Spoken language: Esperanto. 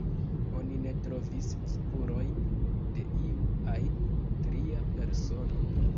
Oni ne trovis spurojn de iu ajn tria persono.